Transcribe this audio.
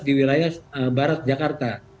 di wilayah barat jakarta